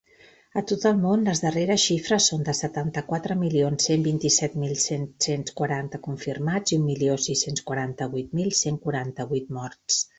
A tot el món, les darreres xifres són de setanta-quatre milions cent vint-i-set mil sis-cents quaranta confirmats i un milió sis-cents quaranta-vuit mil cent quaranta-vuit morts.